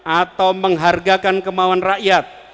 atau menghargakan kemauan rakyat